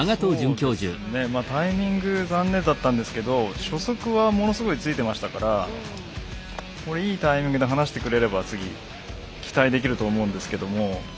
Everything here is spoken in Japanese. そうですねタイミング残念だったんですけど初速はものすごいついてましたからいいタイミングで放してくれれば次期待できると思うんですけども。